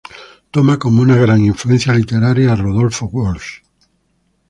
Toma como una gran influencia literaria a Rodolfo Walsh.